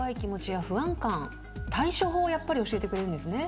対処法を教えてくれるんですね。